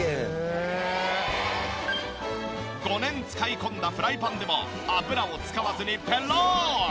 ５年使い込んだフライパンでも油を使わずにペロン！